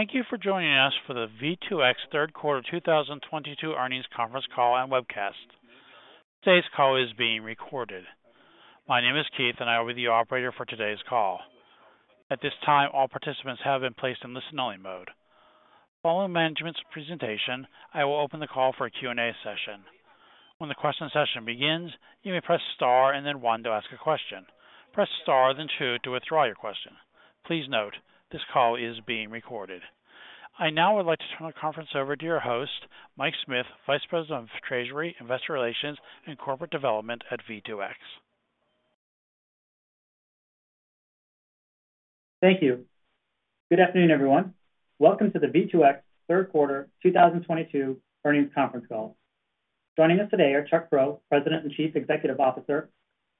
Thank you for joining us for the V2X third quarter 2022 earnings conference call and webcast. Today's call is being recorded. My name is Keith, and I will be the operator for today's call. At this time, all participants have been placed in listen-only mode. Following management's presentation, I will open the call for a Q&A session. When the question session begins, you may press star and then one to ask a question. Press star then two to withdraw your question. Please note, this call is being recorded. I now would like to turn the conference over to your host, Mike Smith, Vice President of Treasury, Investor Relations, and Corporate Development at V2X. Thank you. Good afternoon, everyone. Welcome to the V2X third quarter 2022 earnings conference call. Joining us today are Chuck Prow, President and Chief Executive Officer,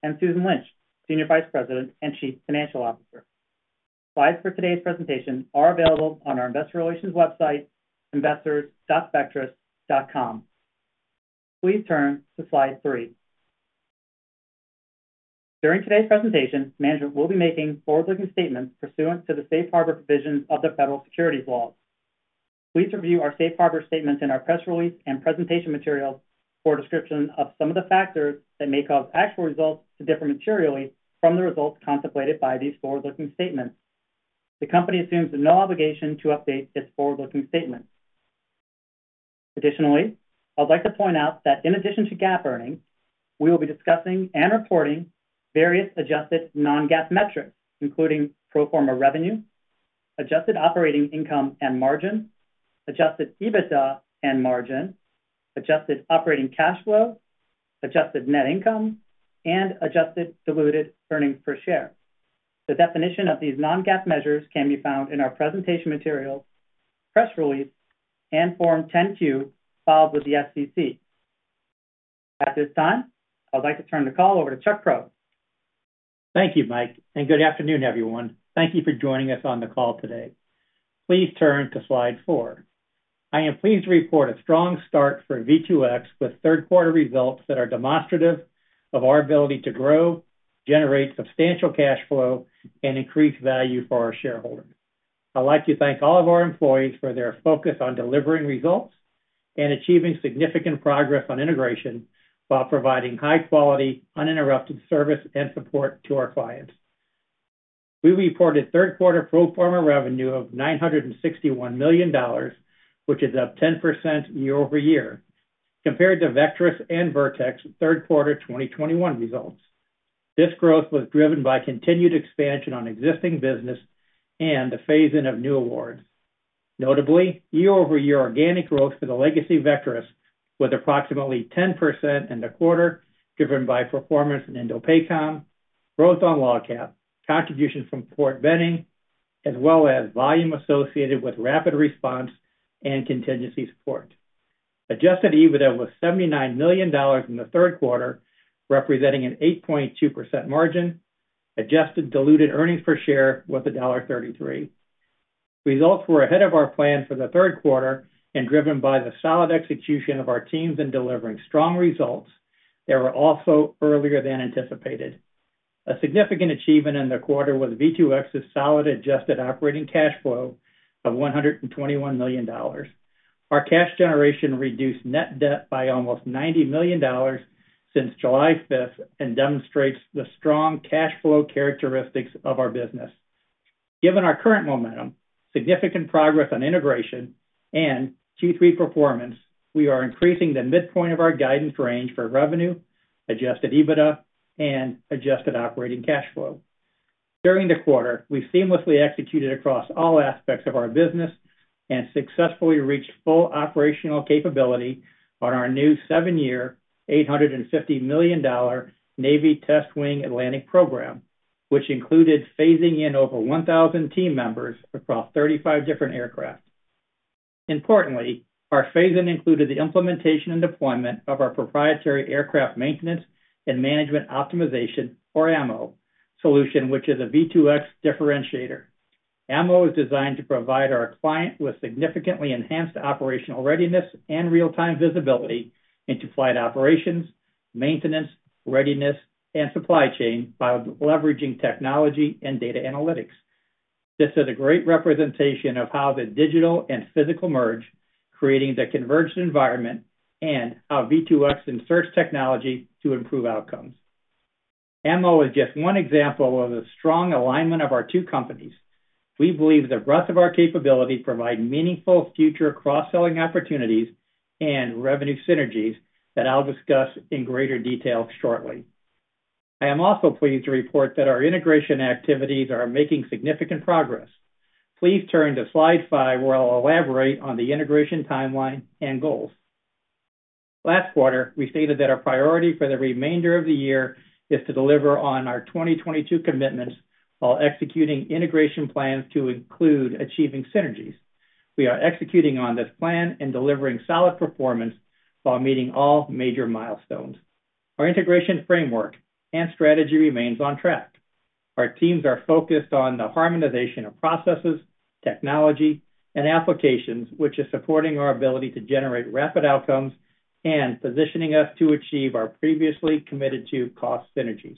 and Susan Lynch, Senior Vice President and Chief Financial Officer. Slides for today's presentation are available on our investor relations website, investors.vectrus.com. Please turn to slide three. During today's presentation, management will be making forward-looking statements pursuant to the safe harbor provisions of the federal securities laws. Please review our safe harbor statements in our press release and presentation materials for a description of some of the factors that may cause actual results to differ materially from the results contemplated by these forward-looking statements. The company assumes no obligation to update this forward-looking statement. Additionally, I'd like to point out that in addition to GAAP earnings, we will be discussing and reporting various adjusted non-GAAP metrics, including pro forma revenue, adjusted operating income and margin, adjusted EBITDA and margin, adjusted operating cash flow, adjusted net income, and adjusted diluted earnings per share. The definition of these non-GAAP measures can be found in our presentation materials, press release, and Form 10-Q filed with the SEC. At this time, I would like to turn the call over to Chuck Prow. Thank you, Mike, and good afternoon, everyone. Thank you for joining us on the call today. Please turn to slide four. I am pleased to report a strong start for V2X with third quarter results that are demonstrative of our ability to grow, generate substantial cash flow, and increase value for our shareholders. I'd like to thank all of our employees for their focus on delivering results and achieving significant progress on integration while providing high-quality, uninterrupted service and support to our clients. We reported third quarter pro forma revenue of $961 million, which is up 10% year-over-year compared to Vectrus and Vertex third quarter 2021 results. This growth was driven by continued expansion on existing business and the phase-in of new awards. Notably, year-over-year organic growth for the legacy Vectrus was approximately 10% in the quarter, driven by pro forma INDOPACOM, growth on LOGCAP, contributions from Fort Benning, as well as volume associated with rapid response and contingency support. Adjusted EBITDA was $79 million in the third quarter, representing an 8.2% margin. Adjusted diluted earnings per share was $1.33. Results were ahead of our plan for the third quarter and driven by the solid execution of our teams in delivering strong results. They were also earlier than anticipated. A significant achievement in the quarter was V2X's solid adjusted operating cash flow of $121 million. Our cash generation reduced net debt by almost $90 million since July 5th and demonstrates the strong cash flow characteristics of our business. Given our current momentum, significant progress on integration, and Q3 performance, we are increasing the midpoint of our guidance range for revenue, adjusted EBITDA, and adjusted operating cash flow. During the quarter, we seamlessly executed across all aspects of our business and successfully reached full operational capability on our new seven-year, $850 million Naval Test Wing Atlantic program, which included phasing in over 1,000 team members across 35 different aircraft. Importantly, our phase-in included the implementation and deployment of our proprietary Aircraft Maintenance and Management Optimization, or AMMO solution, which is a V2X differentiator. AMMO is designed to provide our client with significantly enhanced operational readiness and real-time visibility into flight operations, maintenance, readiness, and supply chain by leveraging technology and data analytics. This is a great representation of how the digital and physical merge, creating the converged environment, and how V2X inserts technology to improve outcomes. AMMO is just one example of the strong alignment of our two companies. We believe the breadth of our capabilities provide meaningful future cross-selling opportunities and revenue synergies that I'll discuss in greater detail shortly. I am also pleased to report that our integration activities are making significant progress. Please turn to slide five, where I'll elaborate on the integration timeline and goals. Last quarter, we stated that our priority for the remainder of the year is to deliver on our 2022 commitments while executing integration plans to include achieving synergies. We are executing on this plan and delivering solid performance while meeting all major milestones. Our integration framework and strategy remains on track. Our teams are focused on the harmonization of processes, technology, and applications, which is supporting our ability to generate rapid outcomes and positioning us to achieve our previously committed to cost synergies.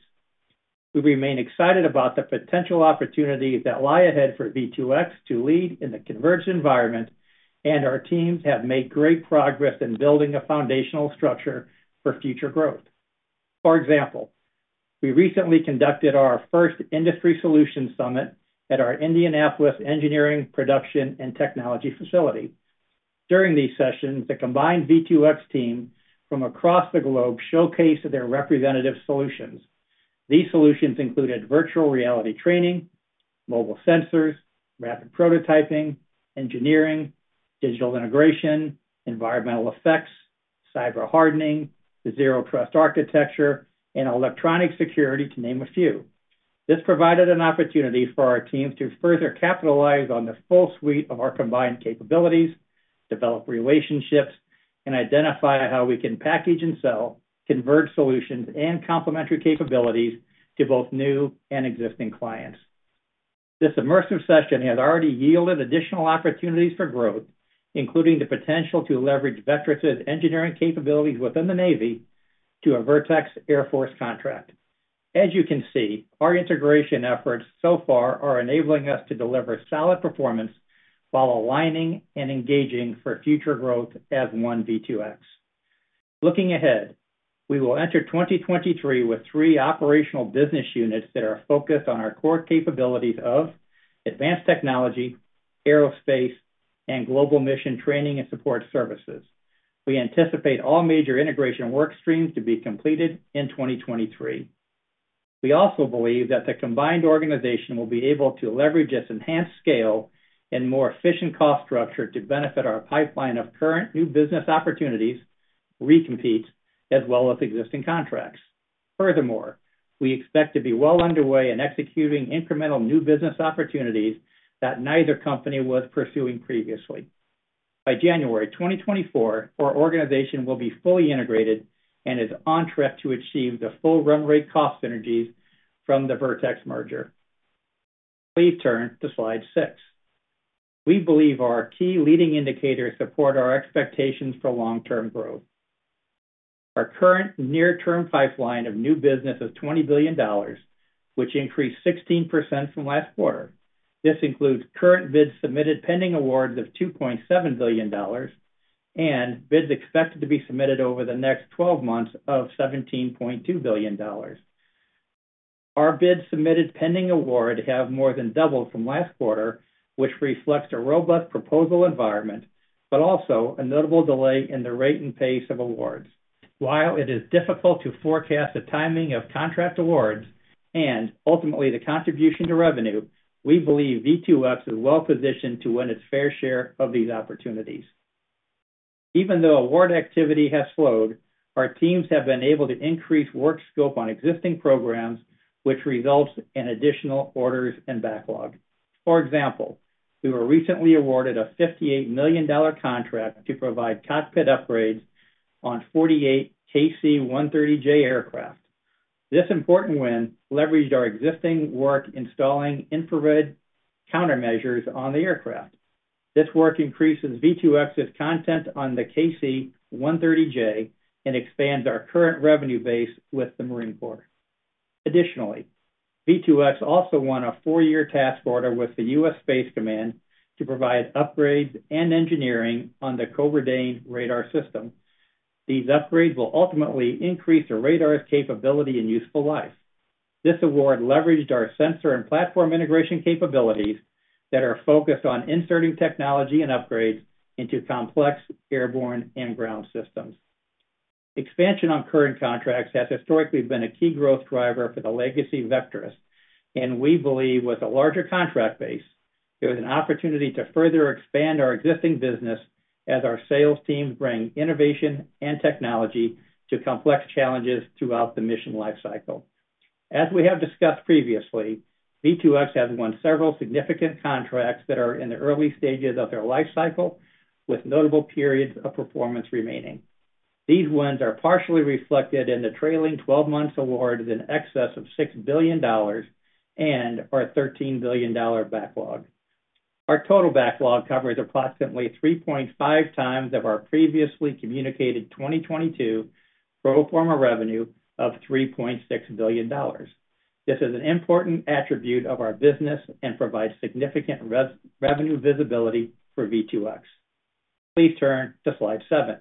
We remain excited about the potential opportunities that lie ahead for V2X to lead in the converged environment. Our teams have made great progress in building a foundational structure for future growth. For example, we recently conducted our first Industry Solutions Summit at our Indianapolis engineering, production, and technology facility. During these sessions, the combined V2X team from across the globe showcased their representative solutions. These solutions included virtual reality training, mobile sensors, rapid prototyping, engineering, digital integration, environmental effects, cyber hardening, the Zero Trust Architecture, and electronic security, to name a few. This provided an opportunity for our teams to further capitalize on the full suite of our combined capabilities, develop relationships, and identify how we can package and sell converged solutions and complementary capabilities to both new and existing clients. This immersive session has already yielded additional opportunities for growth, including the potential to leverage Vectrus' engineering capabilities within the Navy to a Vertex Air Force contract. As you can see, our integration efforts so far are enabling us to deliver solid performance while aligning and engaging for future growth as one V2X. Looking ahead, we will enter 2023 with three operational business units that are focused on our core capabilities of advanced technology, aerospace, and global mission training and support services. We anticipate all major integration workstreams to be completed in 2023. We also believe that the combined organization will be able to leverage its enhanced scale and more efficient cost structure to benefit our pipeline of current new business opportunities, recompetes, as well as existing contracts. We expect to be well underway in executing incremental new business opportunities that neither company was pursuing previously. By January 2024, our organization will be fully integrated and is on track to achieve the full run rate cost synergies from the Vertex merger. Please turn to slide six. We believe our key leading indicators support our expectations for long-term growth. Our current near-term pipeline of new business is $20 billion, which increased 16% from last quarter. This includes current bids submitted, pending awards of $2.7 billion, and bids expected to be submitted over the next 12 months of $17.2 billion. Our bids submitted pending award have more than doubled from last quarter, which reflects a robust proposal environment, but also a notable delay in the rate and pace of awards. While it is difficult to forecast the timing of contract awards and ultimately the contribution to revenue, we believe V2X is well positioned to win its fair share of these opportunities. Even though award activity has slowed, our teams have been able to increase work scope on existing programs, which results in additional orders and backlog. For example, we were recently awarded a $58 million contract to provide cockpit upgrades on 48 KC-130J aircraft. This important win leveraged our existing work installing infrared countermeasures on the aircraft. This work increases V2X's content on the KC-130J and expands our current revenue base with the Marine Corps. V2X also won a four-year task order with the U.S. Space Command to provide upgrades and engineering on the Cobra Dane radar system. These upgrades will ultimately increase the radar's capability and useful life. This award leveraged our sensor and platform integration capabilities that are focused on inserting technology and upgrades into complex airborne and ground systems. Expansion on current contracts has historically been a key growth driver for the legacy Vectrus, we believe with a larger contract base, there is an opportunity to further expand our existing business as our sales teams bring innovation and technology to complex challenges throughout the mission life cycle. As we have discussed previously, V2X has won several significant contracts that are in the early stages of their life cycle with notable periods of performance remaining. These wins are partially reflected in the trailing 12 months awards in excess of $6 billion and our $13 billion backlog. Our total backlog covers approximately 3.5 times of our previously communicated 2022 pro forma revenue of $3.6 billion. This is an important attribute of our business and provides significant revenue visibility for V2X. Please turn to slide seven.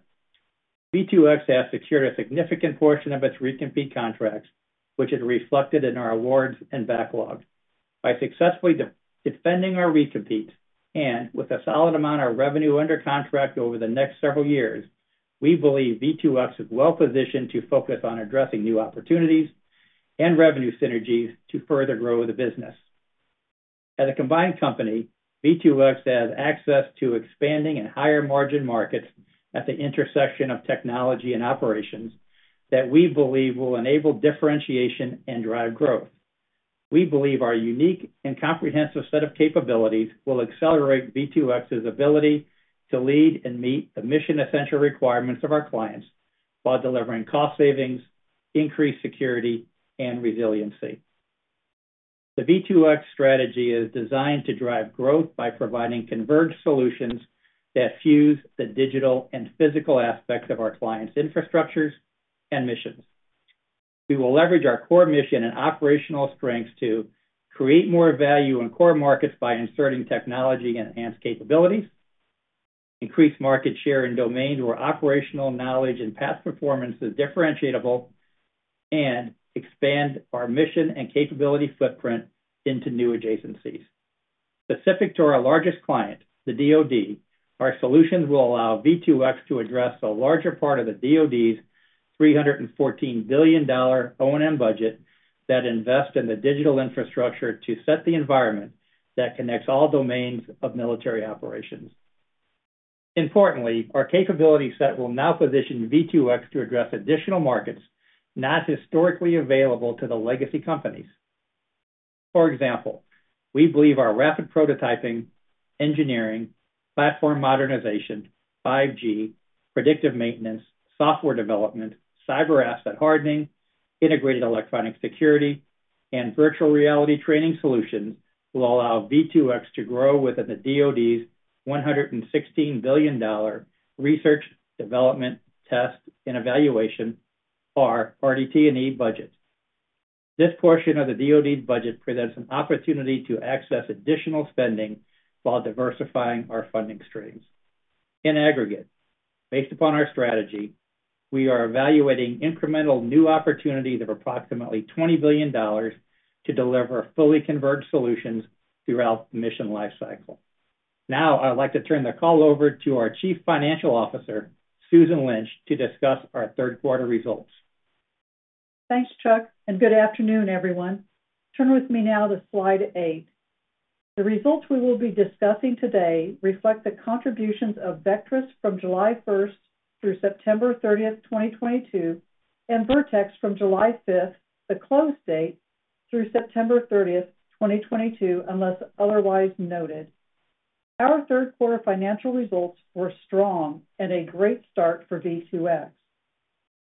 V2X has secured a significant portion of its recompete contracts, which is reflected in our awards and backlog. By successfully defending our recompetes and with a solid amount of revenue under contract over the next several years, we believe V2X is well positioned to focus on addressing new opportunities and revenue synergies to further grow the business. As a combined company, V2X has access to expanding and higher-margin markets at the intersection of technology and operations that we believe will enable differentiation and drive growth. We believe our unique and comprehensive set of capabilities will accelerate V2X's ability to lead and meet the mission-essential requirements of our clients while delivering cost savings, increased security, and resiliency. The V2X strategy is designed to drive growth by providing converged solutions that fuse the digital and physical aspects of our clients' infrastructures and missions. We will leverage our core mission and operational strengths to create more value in core markets by inserting technology and enhanced capabilities, increase market share in domains where operational knowledge and past performance is differentiable, and expand our mission and capability footprint into new adjacencies. Specific to our largest client, the DoD, our solutions will allow V2X to address a larger part of the DoD's $314 billion O&M budget that invest in the digital infrastructure to set the environment that connects all domains of military operations. Importantly, our capability set will now position V2X to address additional markets not historically available to the legacy companies. For example, we believe our rapid prototyping, engineering, platform modernization, 5G, predictive maintenance, software development, cyber asset hardening, integrated electronic security, and virtual reality training solutions will allow V2X to grow within the DoD's $116 billion research, development, test, and evaluation, or RDT&E budget. This portion of the DoD budget presents an opportunity to access additional spending while diversifying our funding streams. In aggregate, based upon our strategy, we are evaluating incremental new opportunities of approximately $20 billion to deliver fully converged solutions throughout the mission life cycle. I would like to turn the call over to our Chief Financial Officer, Susan Lynch, to discuss our third quarter results. Thanks, Chuck, and good afternoon, everyone. Turn with me now to slide eight. The results we will be discussing today reflect the contributions of Vectrus from July 1st through September 30th, 2022 and Vertex from July 5th, the close date, through September 30th, 2022, unless otherwise noted. Our third quarter financial results were strong and a great start for V2X.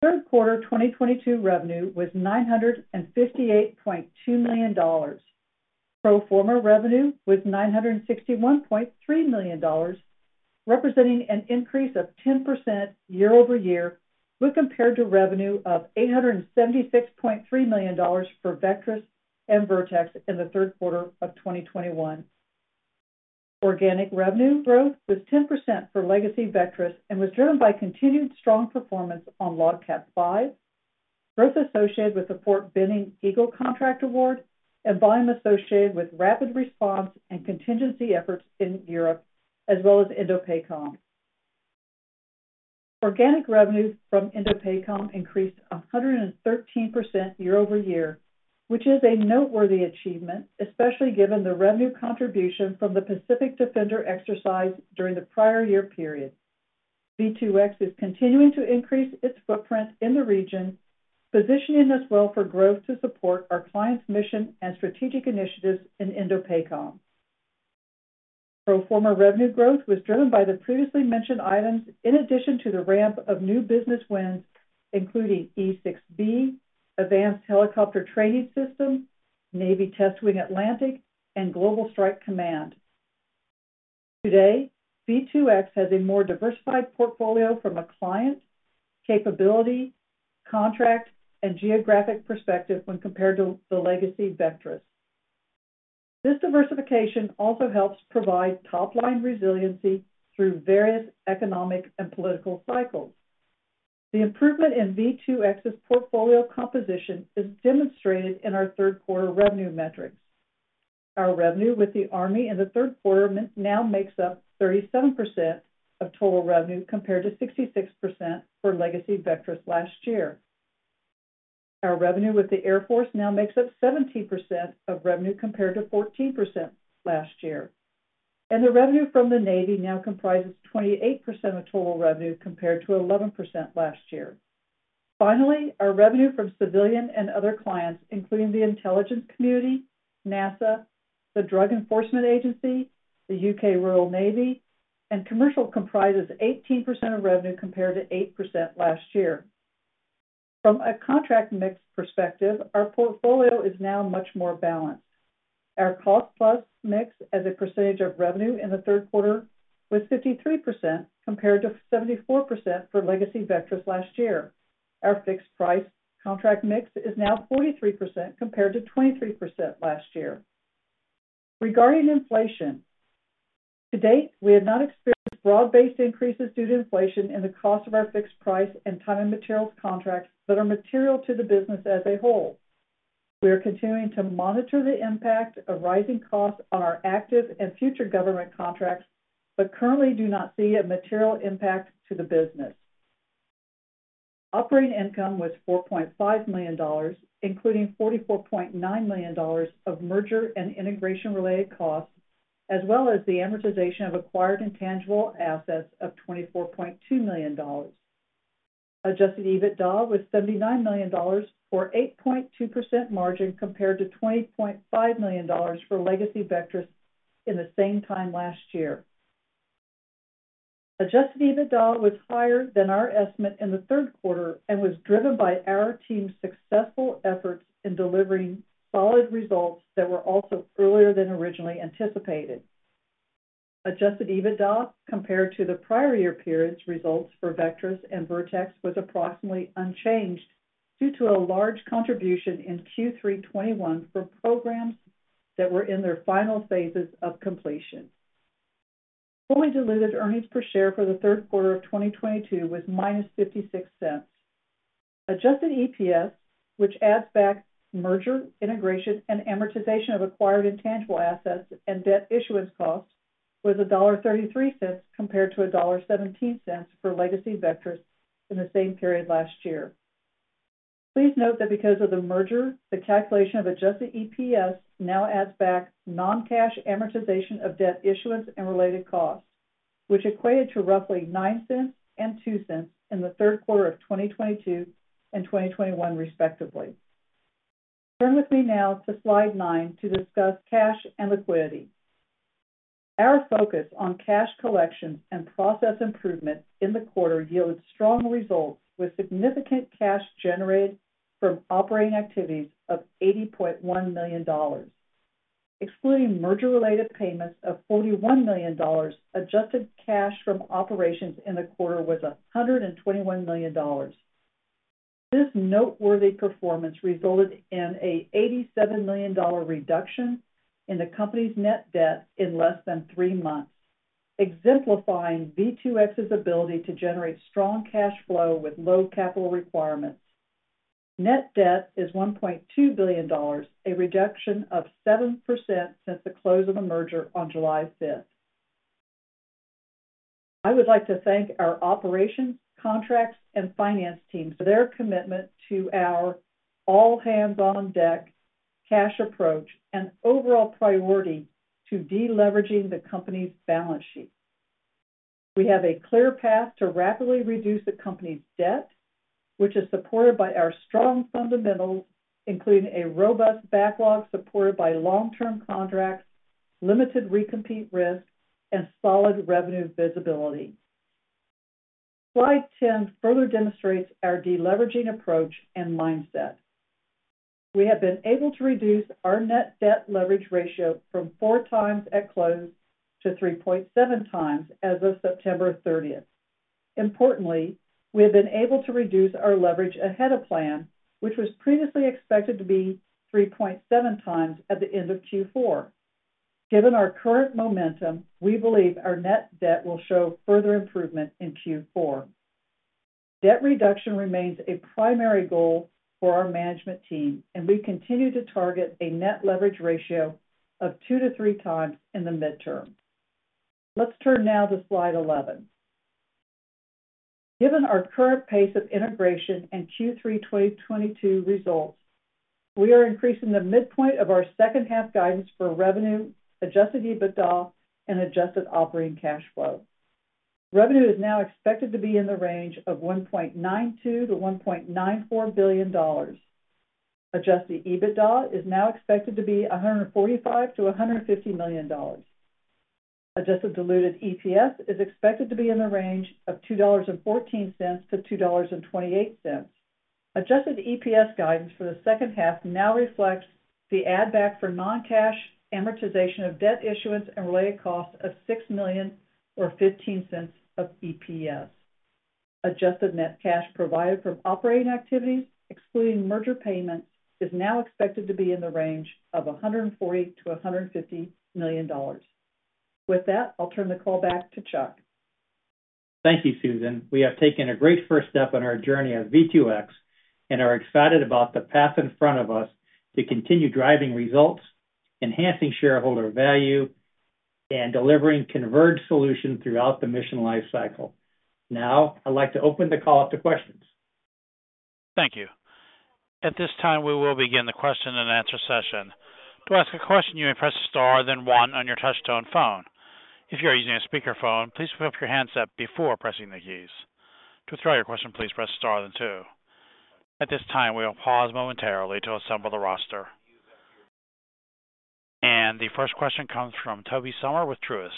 Third quarter 2022 revenue was $958.2 million. Pro forma revenue was $961.3 million, representing an increase of 10% year-over-year when compared to revenue of $876.3 million for Vectrus and Vertex in the third quarter of 2021. Organic revenue growth was 10% for legacy Vectrus and was driven by continued strong performance on LOGCAP V, growth associated with the Fort Benning EAGLE contract award, and volume associated with rapid response and contingency efforts in Europe, as well as INDOPACOM. Organic revenue from INDOPACOM increased 113% year-over-year, which is a noteworthy achievement, especially given the revenue contribution from the Pacific Defender exercise during the prior year period. V2X is continuing to increase its footprint in the region, positioning us well for growth to support our client's mission and strategic initiatives in INDOPACOM. Pro forma revenue growth was driven by the previously mentioned items in addition to the ramp of new business wins, including E-6B, Advanced Helicopter Training System, Naval Test Wing Atlantic, and Global Strike Command. Today, V2X has a more diversified portfolio from a client, capability, contract, and geographic perspective when compared to the legacy Vectrus. This diversification also helps provide top-line resiliency through various economic and political cycles. The improvement in V2X's portfolio composition is demonstrated in our third quarter revenue metrics. Our revenue with the Army in the third quarter now makes up 37% of total revenue, compared to 66% for legacy Vectrus last year. Our revenue with the Air Force now makes up 17% of revenue, compared to 14% last year. The revenue from the Navy now comprises 28% of total revenue, compared to 11% last year. Finally, our revenue from civilian and other clients, including the intelligence community, NASA, the Drug Enforcement Administration, the Royal Navy, and commercial, comprises 18% of revenue, compared to 8% last year. From a contract mix perspective, our portfolio is now much more balanced. Our cost plus mix as a percentage of revenue in the third quarter was 53%, compared to 74% for legacy Vectrus last year. Our fixed price contract mix is now 43%, compared to 23% last year. Regarding inflation, to date, we have not experienced broad-based increases due to inflation in the cost of our fixed price and time and materials contracts that are material to the business as a whole. We are continuing to monitor the impact of rising costs on our active and future government contracts, but currently do not see a material impact to the business. Operating income was $4.5 million, including $44.9 million of merger and integration-related costs, as well as the amortization of acquired intangible assets of $24.2 million. Adjusted EBITDA was $79 million, or 8.2% margin, compared to $20.5 million for legacy Vectrus in the same time last year. Adjusted EBITDA was higher than our estimate in the third quarter and was driven by our team's successful efforts in delivering solid results that were also earlier than originally anticipated. Adjusted EBITDA compared to the prior year period's results for Vectrus and Vertex was approximately unchanged due to a large contribution in Q3 2021 for programs that were in their final phases of completion. Fully diluted earnings per share for the third quarter of 2022 was -$0.56. Adjusted EPS, which adds back merger integration and amortization of acquired intangible assets and debt issuance costs, was $1.33 compared to $1.17 for legacy Vectrus in the same period last year. Please note that because of the merger, the calculation of adjusted EPS now adds back non-cash amortization of debt issuance and related costs, which equated to roughly $0.09 and $0.02 in the third quarter of 2022 and 2021 respectively. Turn with me now to slide nine to discuss cash and liquidity. Our focus on cash collection and process improvement in the quarter yielded strong results with significant cash generated from operating activities of $80.1 million. Excluding merger-related payments of $41 million, adjusted cash from operations in the quarter was $121 million. This noteworthy performance resulted in an $87 million reduction in the company's net debt in less than three months, exemplifying V2X's ability to generate strong cash flow with low capital requirements. Net debt is $1.2 billion, a reduction of 7% since the close of the merger on July 5th. I would like to thank our operations, contracts, and finance teams for their commitment to our all-hands-on-deck cash approach and overall priority to de-leveraging the company's balance sheet. We have a clear path to rapidly reduce the company's debt, which is supported by our strong fundamentals, including a robust backlog supported by long-term contracts, limited recompete risk, and solid revenue visibility. Slide 10 further demonstrates our de-leveraging approach and mindset. We have been able to reduce our net debt leverage ratio from four times at close to 3.7 times as of September 30th. Importantly, we have been able to reduce our leverage ahead of plan, which was previously expected to be 3.7 times at the end of Q4. Given our current momentum, we believe our net debt will show further improvement in Q4. Debt reduction remains a primary goal for our management team, and we continue to target a net leverage ratio of two to three times in the midterm. Let's turn now to slide 11. Given our current pace of integration and Q3 2022 results, we are increasing the midpoint of our second half guidance for revenue, adjusted EBITDA, and adjusted operating cash flow. Revenue is now expected to be in the range of $1.92 to $1.94 billion. Adjusted EBITDA is now expected to be $145 to $150 million. Adjusted diluted EPS is expected to be in the range of $2.14 to $2.28. Adjusted EPS guidance for the second half now reflects the add back for non-cash amortization of debt issuance and related costs of $6 million or $0.15 of EPS. Adjusted net cash provided from operating activities, excluding merger payments, is now expected to be in the range of $140 to $150 million. With that, I'll turn the call back to Chuck. Thank you, Susan. We have taken a great first step on our journey at V2X and are excited about the path in front of us to continue driving results, enhancing shareholder value, and delivering converged solutions throughout the mission life cycle. I'd like to open the call up to questions. Thank you. At this time, we will begin the question and answer session. To ask a question, you may press star then one on your touchtone phone. If you are using a speakerphone, please pick up your handset before pressing the keys. To withdraw your question, please press star then two. At this time, we will pause momentarily to assemble the roster. The first question comes from Tobey Sommer with Truist.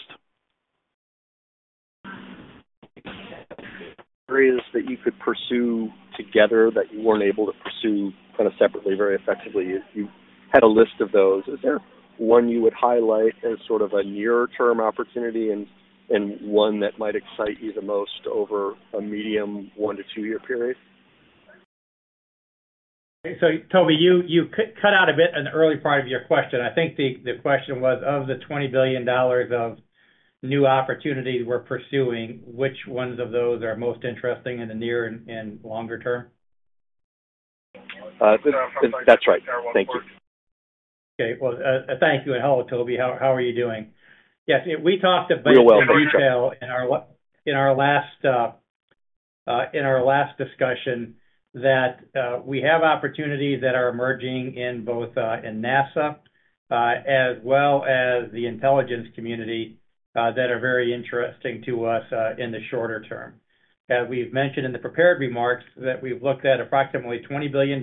Areas that you could pursue together that you weren't able to pursue kind of separately very effectively. You had a list of those. Is there one you would highlight as sort of a near-term opportunity and one that might excite you the most over a medium one to two-year period? Tobey, you cut out a bit in the early part of your question. I think the question was, of the $20 billion of new opportunities we're pursuing, which ones of those are most interesting in the near and longer term? That's right. Thank you. Okay. Well, thank you, and hello, Tobey. How are you doing? Yes. Real well, thanks. in detail in our last discussion that we have opportunities that are emerging both in NASA as well as the intelligence community that are very interesting to us in the shorter term. As we've mentioned in the prepared remarks that we've looked at approximately $20 billion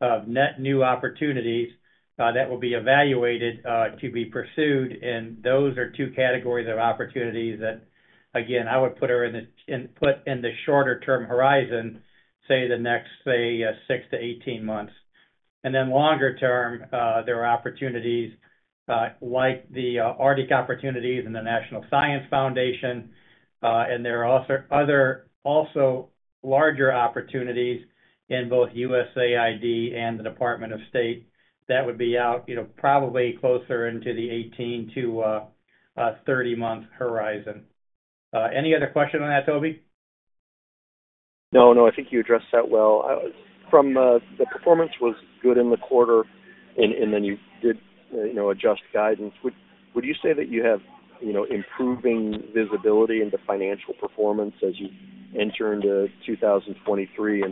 of net new opportunities that will be evaluated to be pursued, and those are two categories of opportunities that, again, I would put in the shorter term horizon, say, the next 6 to 18 months. Longer term, there are opportunities like the Arctic opportunities and the National Science Foundation, and there are also larger opportunities in both USAID and the Department of State that would be out probably closer into the 18 to 30-month horizon. Any other question on that, Tobey? No, I think you addressed that well. The performance was good in the quarter, you did adjust guidance. Would you say that you have improving visibility into financial performance as you enter into 2023?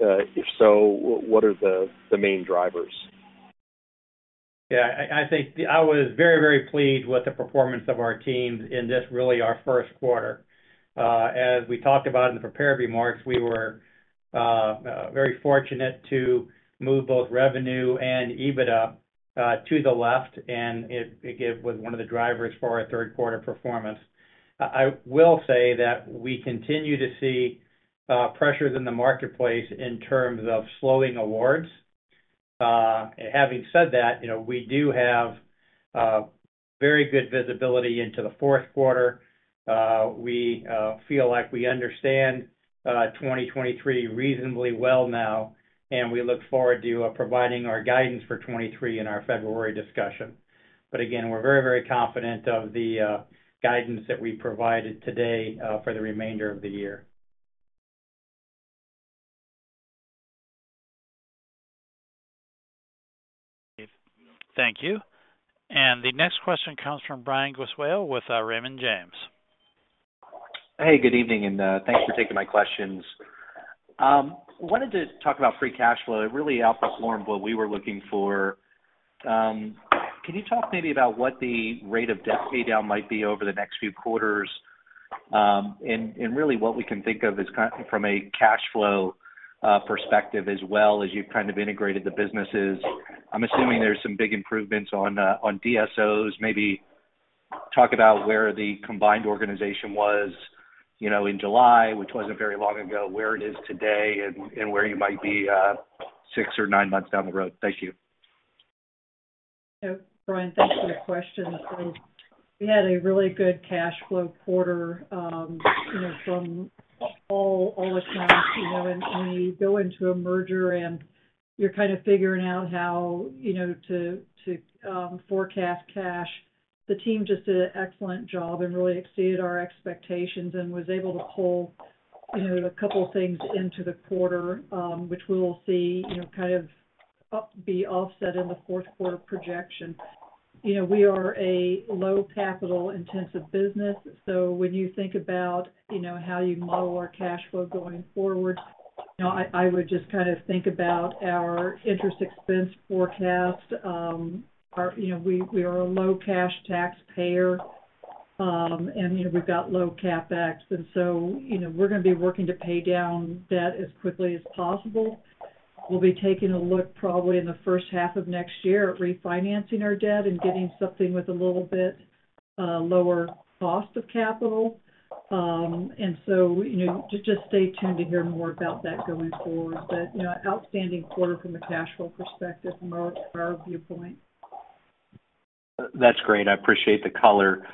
If so, what are the main drivers? Yeah, I think I was very pleased with the performance of our teams in this, really, our first quarter. As we talked about in the prepared remarks, we were very fortunate to move both revenue and EBITDA to the left, and it was one of the drivers for our third quarter performance. I will say that we continue to see pressures in the marketplace in terms of slowing awards. Having said that, we do have very good visibility into the fourth quarter. We feel like we understand 2023 reasonably well now, and we look forward to providing our guidance for 2023 in our February discussion. Again, we're very confident of the guidance that we provided today for the remainder of the year. Thank you. The next question comes from Brian Gesuale with Raymond James. Hey, good evening, thanks for taking my questions. Wanted to talk about free cash flow. It really outperformed what we were looking for. Can you talk maybe about what the rate of debt pay down might be over the next few quarters? Really, what we can think of from a cash flow perspective as well as you've integrated the businesses. I'm assuming there's some big improvements on DSOs. Maybe talk about where the combined organization was in July, which wasn't very long ago, where it is today, and where you might be six or nine months down the road. Thank you. Brian, thanks for the question. We had a really good cash flow quarter from all accounts. When you go into a merger and you're kind of figuring out how to forecast cash, the team just did an excellent job and really exceeded our expectations and was able to pull a couple of things into the quarter, which we will see be offset in the fourth quarter projection. We are a low capital-intensive business, when you think about how you model our cash flow going forward, I would just think about our interest expense forecast. We are a low cash taxpayer, we've got low CapEx, we're going to be working to pay down debt as quickly as possible. We'll be taking a look probably in the first half of next year at refinancing our debt and getting something with a little bit lower cost of capital. Just stay tuned to hear more about that going forward. Outstanding quarter from a cash flow perspective from our viewpoint. That's great. I appreciate the color.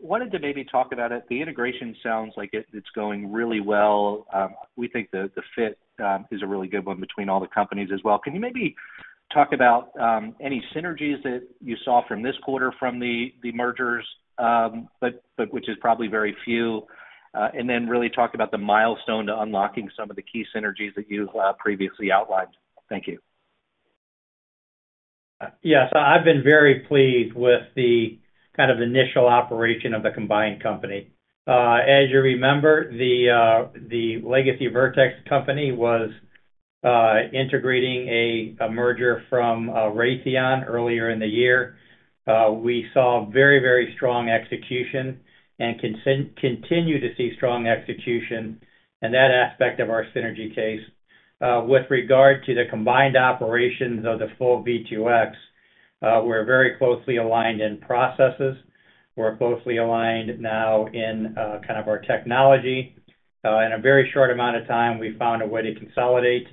Wanted to maybe talk about it. The integration sounds like it's going really well. We think the fit is a really good one between all the companies as well. Can you maybe talk about any synergies that you saw from this quarter from the mergers, but which is probably very few, and then really talk about the milestone to unlocking some of the key synergies that you previously outlined? Thank you. Yes. I've been very pleased with the initial operation of the combined company. As you remember, the legacy The Vertex Company was integrating a merger from Raytheon earlier in the year. We saw very strong execution and continue to see strong execution in that aspect of our synergy case. With regard to the combined operations of the full V2X, we're very closely aligned in processes. We're closely aligned now in our technology. In a very short amount of time, we found a way to consolidate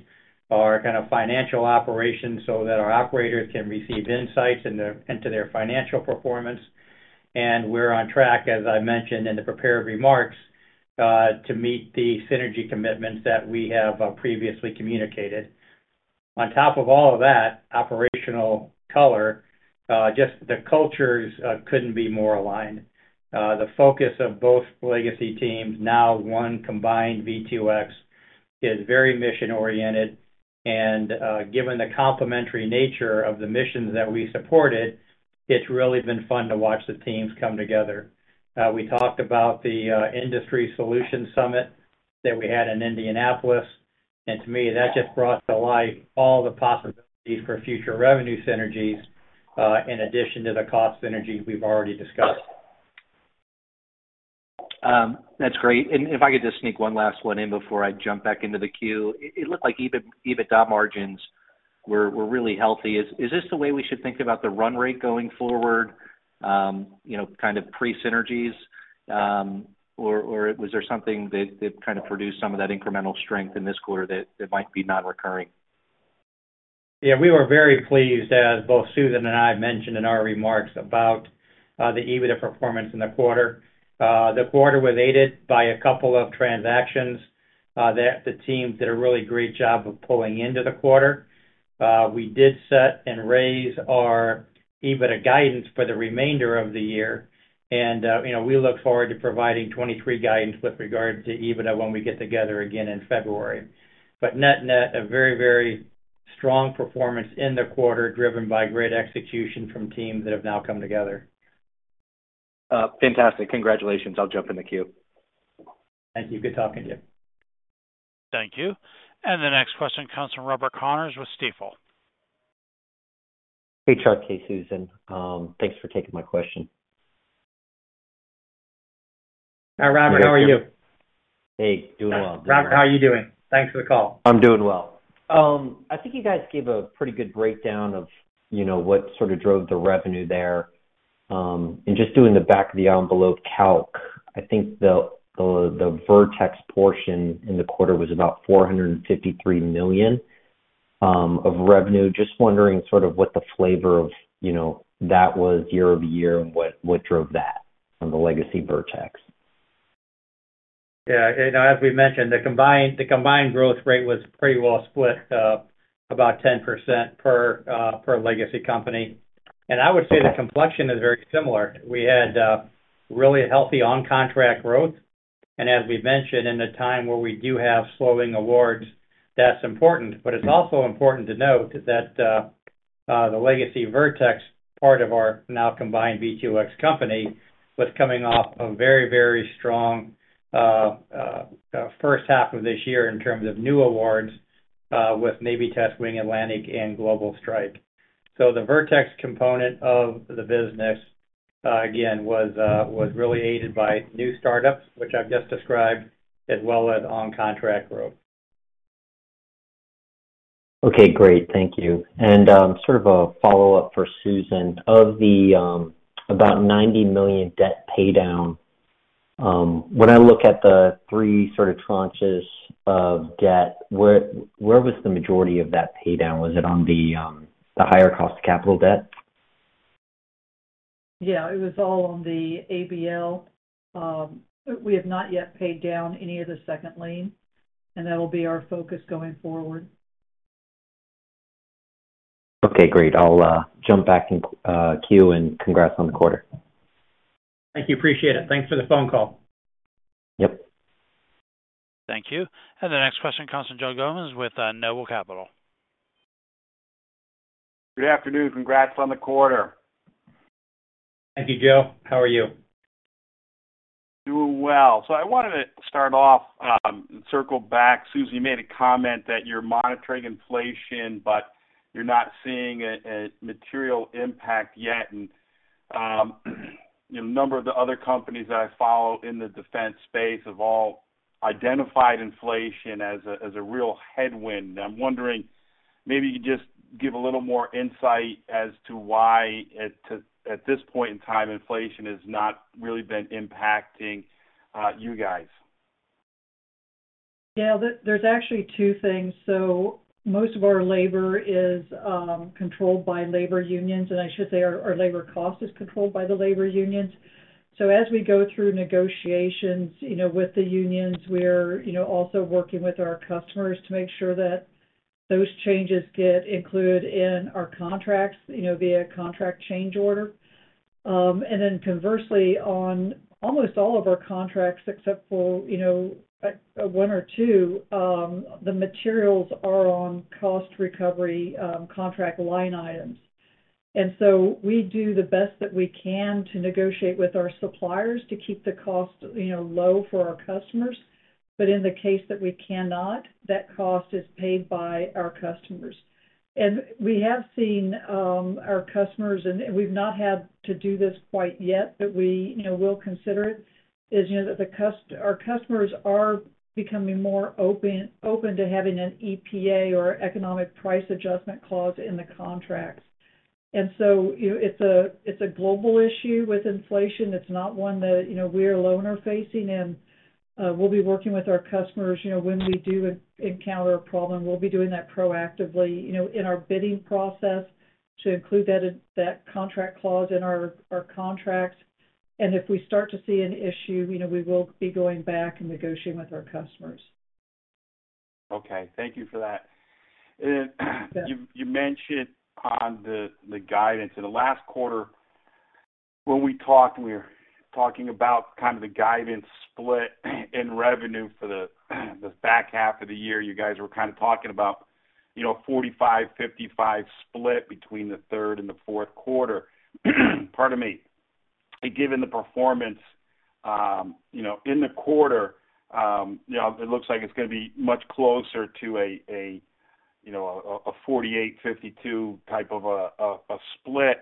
our financial operations so that our operators can receive insights into their financial performance. We're on track, as I mentioned in the prepared remarks, to meet the synergy commitments that we have previously communicated. On top of all of that operational color, just the cultures couldn't be more aligned. The focus of both legacy teams, now one combined V2X, is very mission-oriented. Given the complementary nature of the missions that we supported, it's really been fun to watch the teams come together. We talked about the Industry Solutions Summit that we had in Indianapolis. To me, that just brought to light all the possibilities for future revenue synergies, in addition to the cost synergies we've already discussed. That's great. If I could just sneak one last one in before I jump back into the queue. It looked like EBITDA margins were really healthy. Is this the way we should think about the run rate going forward, kind of pre-synergies? Was there something that kind of produced some of that incremental strength in this quarter that might be non-recurring? Yeah. We were very pleased, as both Susan and I mentioned in our remarks, about the EBITDA performance in the quarter. The quarter was aided by a couple of transactions that the team did a really great job of pulling into the quarter. We did set and raise our EBITDA guidance for the remainder of the year. We look forward to providing 2023 guidance with regard to EBITDA when we get together again in February. Net net, a very strong performance in the quarter, driven by great execution from teams that have now come together. Fantastic. Congratulations. I'll jump in the queue. Thank you. Good talking to you. Thank you. The next question comes from Robert Connors with Stifel. Hey, Chuck. Hey, Susan. Thanks for taking my question. Hi, Robert. How are you? Hey, doing well. Robert, how are you doing? Thanks for the call. I'm doing well. I think you guys gave a pretty good breakdown of what sort of drove the revenue there. Just doing the back of the envelope calc, I think the Vertex portion in the quarter was about $453 million of revenue. Just wondering sort of what the flavor of that was year-over-year and what drove that on the legacy Vertex. Yeah. As we mentioned, the combined growth rate was pretty well split, about 10% per legacy company. I would say the complexion is very similar. We had really healthy on-contract growth. As we've mentioned, in a time where we do have slowing awards, that's important. It's also important to note that the legacy Vertex part of our now combined V2X company was coming off a very strong first half of this year in terms of new awards, with Naval Test Wing Atlantic and Global Strike. The Vertex component of the business, again, was really aided by new startups, which I've just described, as well as on-contract growth. Okay, great. Thank you. Sort of a follow-up for Susan. Of the about $90 million debt pay down, when I look at the three sort of tranches of debt, where was the majority of that pay down? Was it on the higher cost of capital debt? It was all on the ABL. We have not yet paid down any of the second lien, that'll be our focus going forward. Okay, great. I'll jump back in queue, congrats on the quarter. Thank you. Appreciate it. Thanks for the phone call. Yep. Thank you. The next question comes from Joe Gomes with Noble Capital. Good afternoon. Congrats on the quarter. Thank you, Joe. How are you? Doing well. I wanted to start off and circle back. Susan, you made a comment that you are monitoring inflation, but you are not seeing a material impact yet. A number of the other companies that I follow in the defense space have all identified inflation as a real headwind. I am wondering, maybe you could just give a little more insight as to why, at this point in time, inflation has not really been impacting you guys. Yeah. There is actually two things. Most of our labor is controlled by labor unions, and I should say our labor cost is controlled by the labor unions. As we go through negotiations with the unions, we are also working with our customers to make sure that those changes get included in our contracts via contract change order. Then conversely, on almost all of our contracts, except for one or two, the materials are on cost recovery contract line items. We do the best that we can to negotiate with our suppliers to keep the cost low for our customers. In the case that we cannot, that cost is paid by our customers. We have seen our customers, and we've not had to do this quite yet, but we will consider it, is our customers are becoming more open to having an EPA or economic price adjustment clause in the contracts. It's a global issue with inflation. It's not one that we alone are facing. We'll be working with our customers. When we do encounter a problem, we'll be doing that proactively in our bidding process to include that contract clause in our contracts. If we start to see an issue, we will be going back and negotiating with our customers. Okay. Thank you for that. Yeah You mentioned on the guidance. In the last quarter, when we talked, we were talking about kind of the guidance split in revenue for the back half of the year. You guys were kind of talking about a 45, 55 split between the third and the fourth quarter. Pardon me. Given the performance in the quarter, it looks like it's going to be much closer to a 48, 52 type of a split.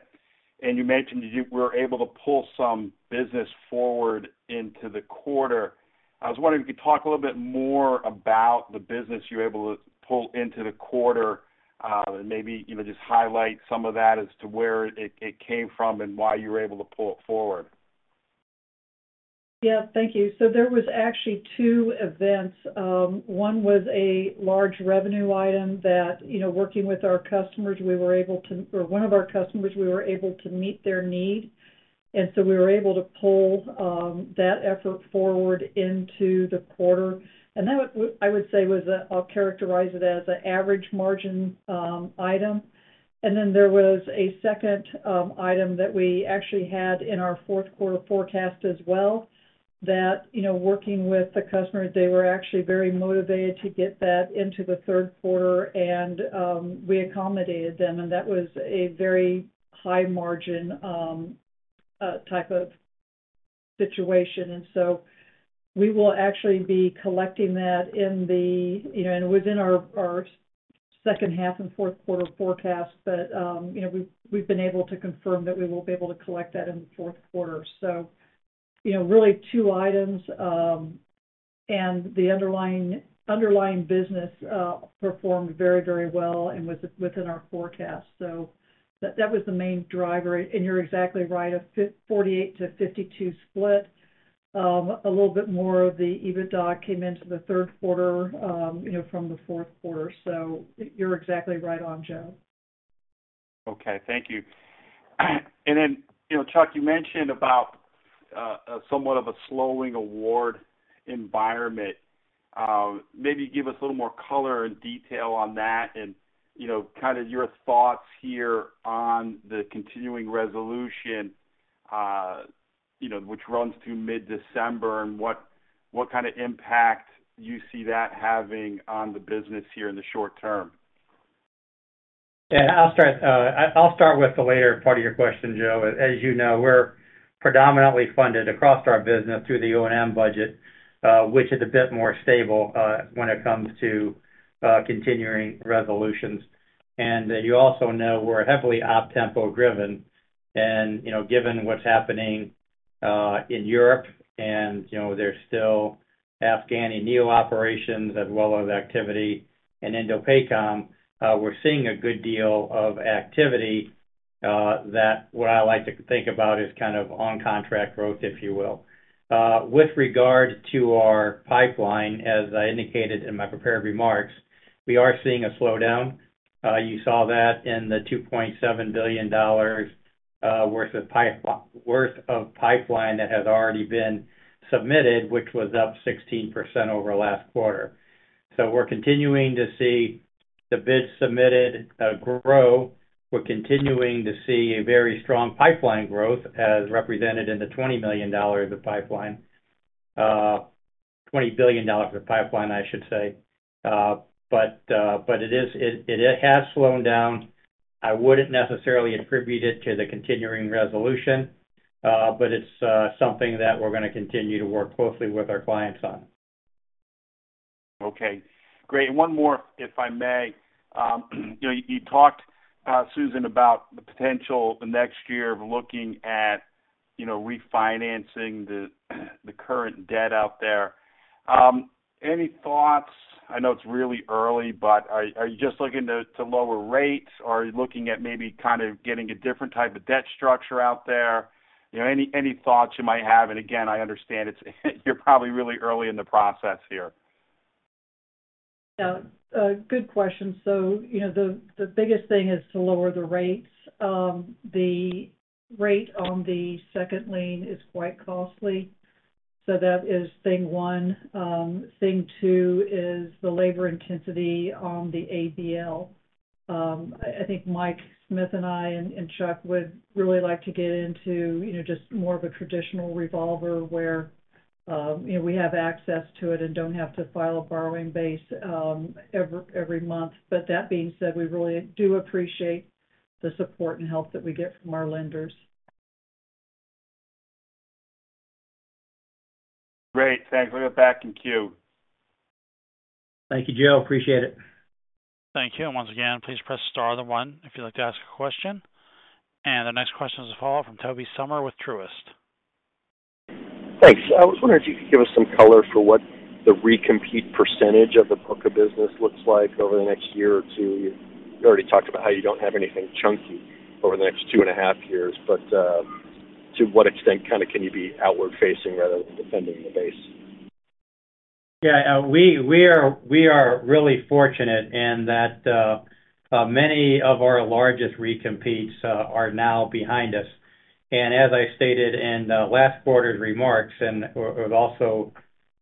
You mentioned that you were able to pull some business forward into the quarter. I was wondering if you could talk a little bit more about the business you were able to pull into the quarter, and maybe even just highlight some of that as to where it came from and why you were able to pull it forward. Yeah. Thank you. There was actually two events. One was a large revenue item that, working with one of our customers, we were able to meet their need. We were able to pull that effort forward into the quarter. That, I would say, I'll characterize it as an average margin item. There was a second item that we actually had in our fourth quarter forecast as well that, working with the customer, they were actually very motivated to get that into the third quarter, and we accommodated them. That was a very high margin type of situation. We will actually be collecting that within our second half and fourth quarter forecast. We've been able to confirm that we will be able to collect that in the fourth quarter. Really two items. The underlying business performed very well and was within our forecast. That was the main driver. You're exactly right, a 48-52 split. A little bit more of the EBITDA came into the third quarter from the fourth quarter. You're exactly right on, Joe. Okay. Thank you. Chuck, you mentioned about somewhat of a slowing award environment. Maybe give us a little more color and detail on that and kind of your thoughts here on the continuing resolution, which runs through mid-December, and what kind of impact you see that having on the business here in the short term. Yeah. I'll start with the later part of your question, Joe. As you know, we're predominantly funded across our business through the O&M budget, which is a bit more stable when it comes to continuing resolutions. You also know we're heavily OPTEMPO driven and, given what's happening in Europe and there's still Afghan NEO operations as well as activity in INDOPACOM, we're seeing a good deal of activity that what I like to think about is kind of on-contract growth, if you will. With regard to our pipeline, as I indicated in my prepared remarks, we are seeing a slowdown. You saw that in the $2.7 billion worth of pipeline that has already been submitted, which was up 16% over last quarter. We're continuing to see the bids submitted grow. We're continuing to see a very strong pipeline growth as represented in the $20 million of pipeline. $20 billion of pipeline, I should say. It has slowed down. I wouldn't necessarily attribute it to the continuing resolution. It's something that we're going to continue to work closely with our clients on. Okay, great. One more, if I may. You talked, Susan, about the potential the next year of looking at refinancing the current debt out there. Any thoughts? I know it's really early, are you just looking to lower rates, or are you looking at maybe kind of getting a different type of debt structure out there? Any thoughts you might have? Again, I understand you're probably really early in the process here. Yeah. Good question. The biggest thing is to lower the rates. The rate on the second lien is quite costly. That is thing one. Thing two is the labor intensity on the ABL. I think Mike Smith and I and Chuck would really like to get into just more of a traditional revolver where we have access to it and don't have to file a borrowing base every month. That being said, we really do appreciate the support and help that we get from our lenders. Great. Thanks. We go back in queue. Thank you, Joe. Appreciate it. Thank you. Once again, please press star then one if you'd like to ask a question. The next question is call from Tobey Sommer with Truist. Thanks. I was wondering if you could give us some color for what the recompete percentage of the book of business looks like over the next year or two. You already talked about how you don't have anything chunky over the next two and a half years, but to what extent can you be outward-facing rather than defending the base? Yeah. We are really fortunate in that many of our largest recompetes are now behind us. As I stated in last quarter's remarks, and it was also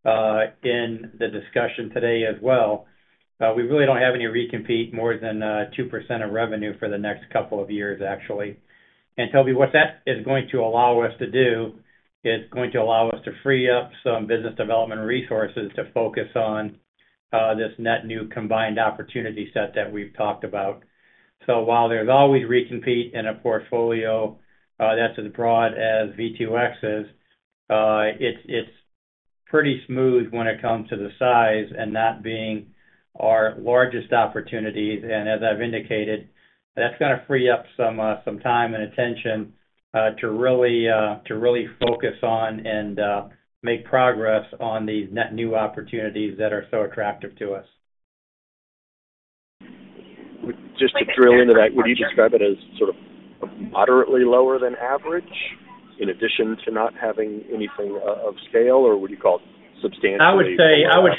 in the discussion today as well, we really don't have any recompete more than 2% of revenue for the next couple of years, actually. Tobey, what that is going to allow us to do, it's going to allow us to free up some business development resources to focus on this net new combined opportunity set that we've talked about. While there's always recompete in a portfolio that's as broad as V2X's, it's pretty smooth when it comes to the size and that being our largest opportunity. As I've indicated, that's going to free up some time and attention to really focus on and make progress on these net new opportunities that are so attractive to us. Just to drill into that, would you describe it as sort of moderately lower than average in addition to not having anything of scale, or would you call it substantially lower than average? I would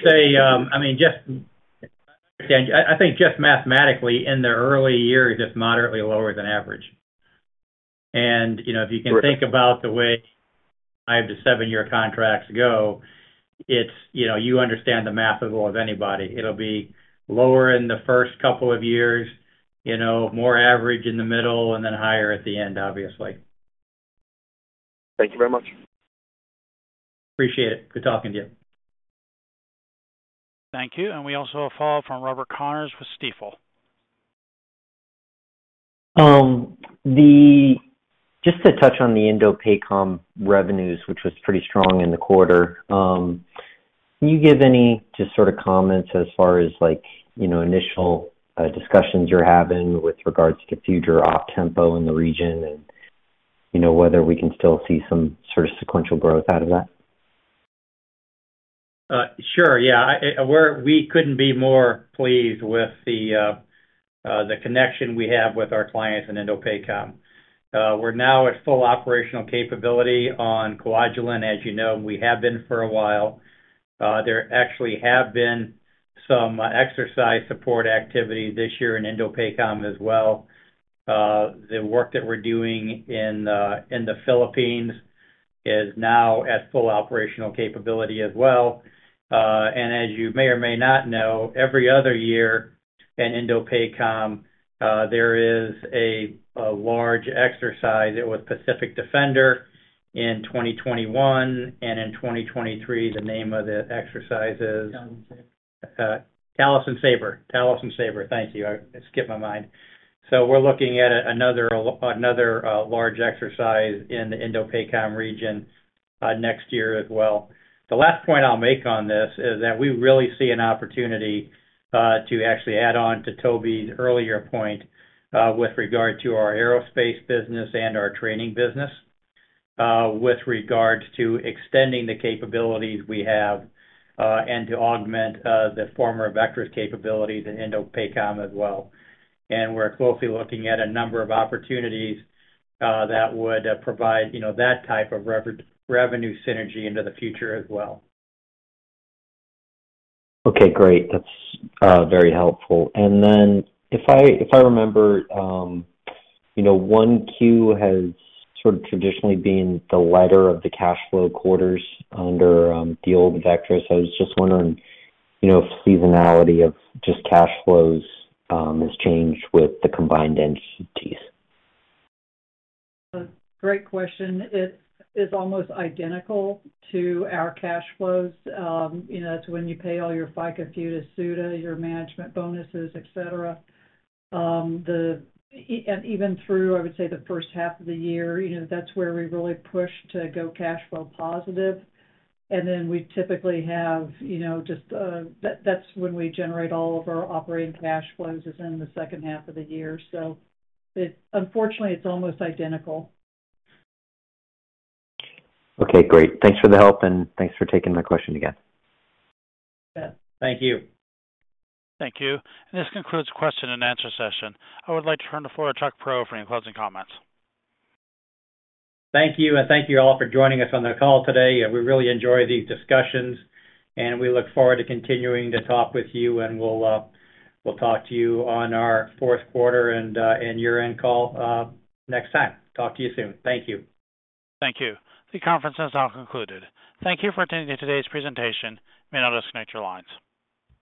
say, I think just mathematically in the early years, it's moderately lower than average. If you can think about the way the 5 to 7-year contracts go, you understand the math of it all of anybody. It'll be lower in the first couple of years, more average in the middle, and then higher at the end, obviously. Thank you very much. Appreciate it. Good talking to you. Thank you. We also have a follow-up from Robert Connors with Stifel. Just to touch on the INDOPACOM revenues, which was pretty strong in the quarter. Can you give any just sort of comments as far as initial discussions you're having with regards to future OPTEMPO in the region and whether we can still see some sort of sequential growth out of that? Sure. Yeah. We couldn't be more pleased with the connection we have with our clients in INDOPACOM. We're now at full operational capability on Kwajalein, as you know. We have been for a while. There actually have been some exercise support activity this year in INDOPACOM as well. The work that we're doing in the Philippines is now at full operational capability as well. As you may or may not know, every other year at INDOPACOM, there is a large exercise. It was Pacific Defender in 2021. In 2023, the name of the exercise is- Talisman Sabre. Talisman Sabre. Talisman Sabre. Thank you. It skipped my mind. We're looking at another large exercise in the INDOPACOM region next year as well. The last point I'll make on this is that we really see an opportunity to actually add on to Tobey's earlier point with regard to our aerospace business and our training business with regards to extending the capabilities we have and to augment the former Vectrus capabilities in INDOPACOM as well. We're closely looking at a number of opportunities that would provide that type of revenue synergy into the future as well. Okay, great. That's very helpful. If I remember, 1Q has sort of traditionally been the lighter of the cash flow quarters under the old Vectrus. I was just wondering if seasonality of just cash flows has changed with the combined entities. Great question. It is almost identical to our cash flows. That's when you pay all your FICA, FUTA, SUTA, your management bonuses, et cetera. Even through, I would say, the first half of the year, that's where we really push to go cash flow positive. That's when we generate all of our operating cash flows is in the second half of the year. Unfortunately, it's almost identical. Okay, great. Thanks for the help and thanks for taking my question again. Yeah. Thank you. Thank you. This concludes the question and answer session. I would like to turn the floor to Chuck Prow for any closing comments. Thank you, and thank you all for joining us on the call today. We really enjoy these discussions, and we look forward to continuing to talk with you. We'll talk to you on our fourth quarter and year-end call next time. Talk to you soon. Thank you. Thank you. The conference has now concluded. Thank you for attending today's presentation. You may now disconnect your lines.